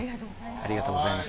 ありがとうございます。